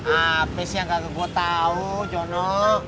apa sih yang gak gue tau jono